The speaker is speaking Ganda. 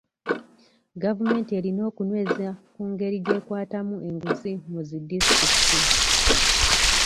Gavumenti erina okunyweza ku ngeri gy'ekwatamu enguzi mu zi disitulikiti.